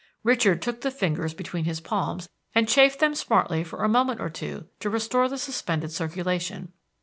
Richard took the fingers between his palms, and chafed them smartly for a moment or two to restore the suspended circulation.